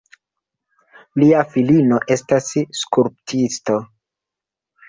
Lia filino estas skulptisto.